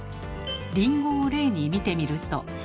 りんごを例に見てみると。